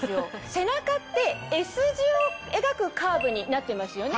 背中ってＳ字を描くカーブになってますよね